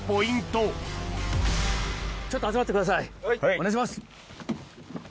お願いします。